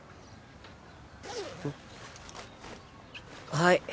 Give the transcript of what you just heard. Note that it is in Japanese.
はい。